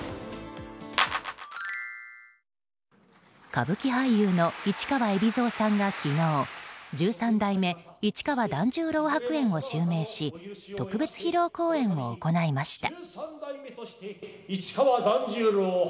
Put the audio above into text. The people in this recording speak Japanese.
歌舞伎俳優の市川海老蔵さんが昨日十三代目市川團十郎白猿を襲名し特別披露公演を行いました。